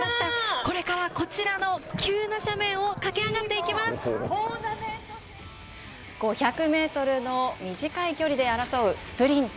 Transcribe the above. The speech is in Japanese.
これからこちらの急な斜面を駆け５００メートルの短い距離で争うスプリント。